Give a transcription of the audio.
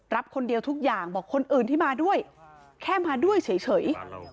รับคนเดียวทุกอย่างบอกคนอื่นที่มาด้วยแค่มาด้วยเฉย